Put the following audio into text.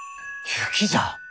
雪じゃ！